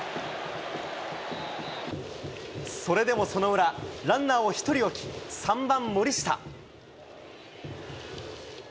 それでもその裏、ランナーを１人置き、３番森下。